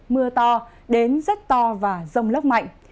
mưa to đến rất to và rông lấp mạnh